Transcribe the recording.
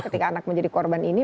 ketika anak menjadi korban ini